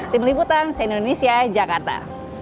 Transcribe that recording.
tim liputan se indonesia jakarta